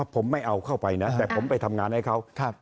ผมไม่เอาเข้าไปนะแต่ผมไปทำงานให้เขา